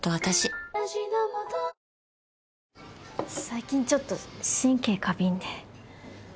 最近ちょっと神経過敏で。